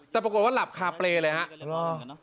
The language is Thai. แต่ปรากฏว่าหลับคาเปรย์เลยครับ